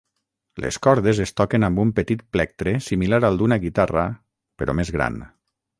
Les cordes es toquen amb un petit plectre similar al d'una guitarra però més gran.